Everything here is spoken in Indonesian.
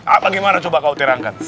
apa gimana coba kau terangkat